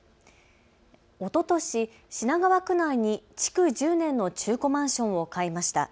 おととし品川区内に築１０年の中古マンションを買いました。